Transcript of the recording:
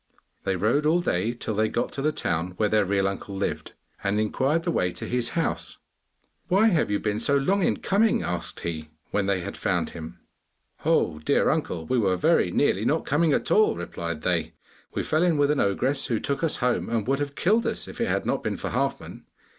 They rode all day till they got to the town where their real uncle lived, and inquired the way to his house. 'Why have you been so long in coming?' asked he, when they had found him. 'Oh, dear uncle, we were very nearly not coming at all!' replied they. 'We fell in with an ogress who took us home and would have killed us if it had not been for Halfman.